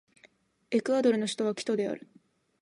エクアドルの首都はキトである